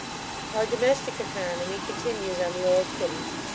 Our domestic oeconomy continues on the old footing.